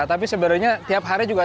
tapi sebenarnya tiap hari juga